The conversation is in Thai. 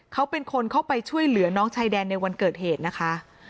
เขาเป็นคนเข้าไปช่วยเหลือน้องชายแดนในวันเกิดเหตุนะคะ